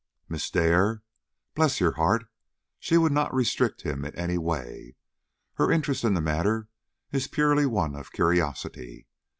"Miss Dare? Bless your heart, she would not restrict him in any way. Her interest in the matter is purely one of curiosity.